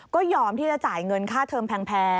ก็ยอมที่จะจ่ายเงินค่าเทอมแพง